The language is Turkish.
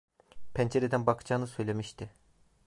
Pencereden bakacağını söylemişti.